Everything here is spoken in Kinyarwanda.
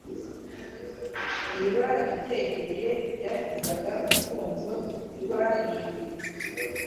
Iba ibyegereye byakizaga, urufunzo ntirwahiye